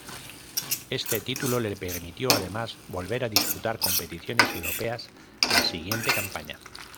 Este título le permitió, además, volver disputar competiciones europeas la siguiente campaña.